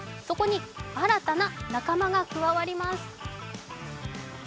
そこに新たな仲間が加わります。